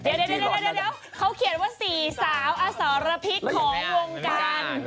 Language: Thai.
เดี๋ยวเขาเขียนว่า๔สาวอสรพิษของวงการ